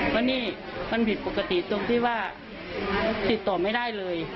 เพราะนี่มันผิดปกติตรงที่ว่าติดต่อไม่ได้เลย